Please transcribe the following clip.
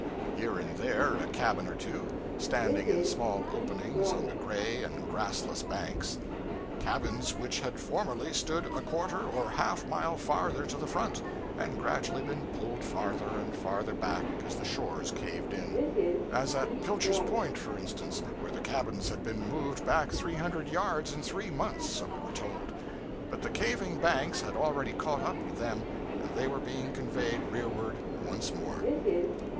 Here and there a cabin or two, standing in small openings on the gray and grassless banks cabins which had formerly stood a quarter or half mile farther to the front, and gradually been pulled farther and farther back as the shores caved in. As at Pilcher's Point, for instance, where the cabins had been moved back three hundred yards in three months, so we were told; but the caving banks had already caught up with them, and they were being conveyed rearward once more.